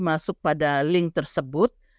masuk pada link tersebut